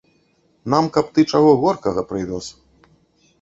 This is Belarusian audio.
Нам каб ты чаго горкага прывёз.